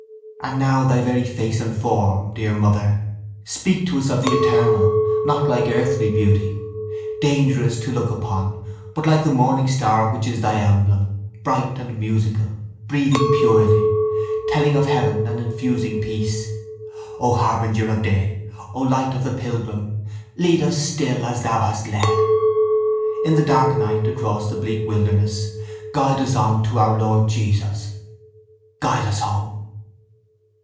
And now thy very face and form, dear mother, speak to us of the Eternal; not like earthly beauty, dangerous to look upon, but like the morning star which is thy emblem, bright and musical, breathing purity, telling of heaven and infusing peace. O harbringer of day! O light of the pilgrim! Lead us still as thou hast led. In the dark night, across the bleak wilderness guide us on to our Lord Jesus, guide us home.